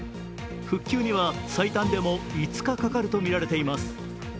復旧には最短でも５日かかるとみられています。